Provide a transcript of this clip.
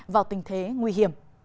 vào tình thế nguy hiểm